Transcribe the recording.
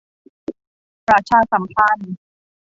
ประชาสัมพันธ์